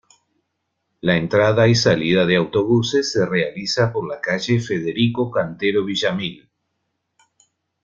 La entrada y salida de autobuses se realiza por la calle Federico Cantero Villamil.